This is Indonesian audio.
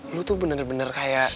lu tuh bener bener kayak